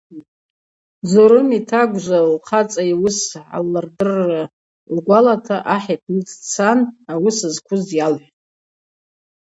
Зорым йтагвжва, лхъацӏа йуыс гӏаллырдырра лгвалата ахӏ йпны дцан ауыс зквыз йалхӏвтӏ.